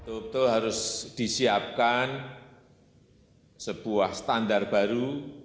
itu harus disiapkan sebuah standar baru